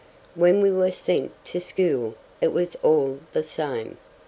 When we were sent to school, it was all the same.